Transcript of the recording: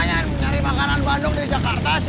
kamu berulang pariwisata ya teh